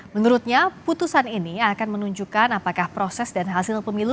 menurutnya putusan ini akan menunjukkan apakah proses dan hasil pemilu